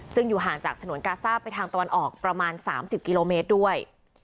ซึ่งอยู่ห่างจากฉนวนกาซ่าไปทางตะวันออกประมาณ๓๐กิโลเมตรด้วย